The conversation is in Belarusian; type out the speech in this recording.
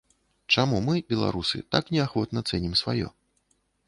Чаму мы, беларусы, так неахвотна цэнім сваё?